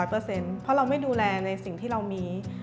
เพราะเราไม่ดูแลในสิ่งที่เรามี